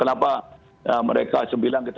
kenapa mereka sembilan kita